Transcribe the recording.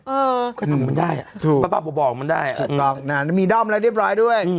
เออก็ทำมันได้ถูกป้าป้าบอกมันได้ถูกต้องน่ะมีด้อมแล้วเรียบร้อยด้วย